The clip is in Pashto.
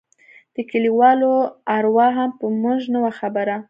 د كليوالو اروا هم په موږ نه وه خبره.